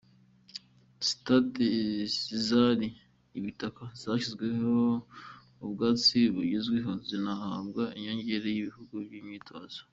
Stades zari ibitaka, zashyizweho ubwatsi bugezweho, zinahabwa inyongera y’ibibuga by’imyitozo ….